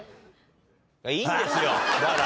いいんですよだから。